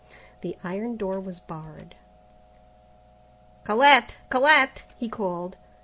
The iron door was barred. "Colette! Colette!" he called.